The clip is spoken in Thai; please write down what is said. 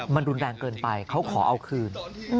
มันดุแลงเกินไปขอเอาคืน